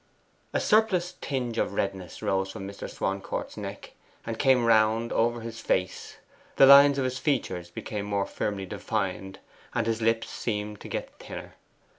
A surplus tinge of redness rose from Mr. Swancourt's neck, and came round over his face, the lines of his features became more firmly defined, and his lips seemed to get thinner.